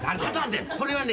これはね